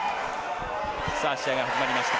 さあ、試合が始まりました。